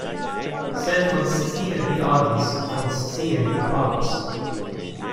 Senkonscie vi agis, konscie vi pagos.